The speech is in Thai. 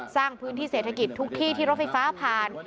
สร้างพื้นที่เศรษฐกิจทุกที่ที่รถไฟฟ้าผ่าน